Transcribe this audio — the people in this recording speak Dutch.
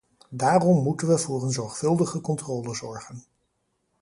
Daarom moeten we voor een zorgvuldige controle zorgen.